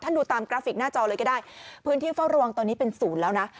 ดูตามกราฟิกหน้าจอเลยก็ได้พื้นที่เฝ้าระวังตอนนี้เป็นศูนย์แล้วนะ